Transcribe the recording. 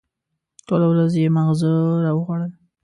ټوله ورځ یې ماغزه را وخوړل.